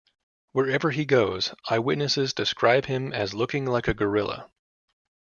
Wherever he goes, eyewitnesses describe him as looking like a gorilla.